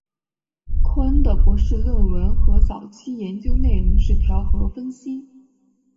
寇恩的博士论文和早期的研究内容是调和分析。